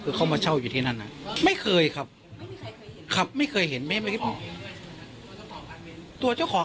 คือเขามาเช่าอยู่ที่นั่นนะไม่เคยครับครับไม่เคยเห็นตัวเจ้าของ